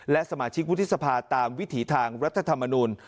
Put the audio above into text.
และสมาชิกวุฒิสภาตามวิถีทางรัฐธรรมนูล